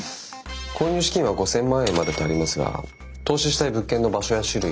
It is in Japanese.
購入資金は５，０００万円までとありますが投資したい物件の場所や種類